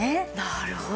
なるほど。